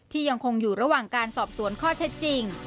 ยังคงอยู่ระหว่างการสอบสวนข้อเท็จจริง